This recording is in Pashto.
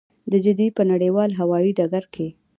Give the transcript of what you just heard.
د جدې په نړیوال هوايي ډګر کې.